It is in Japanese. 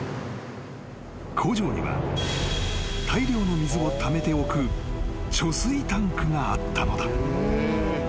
［工場には大量の水をためておく貯水タンクがあったのだ］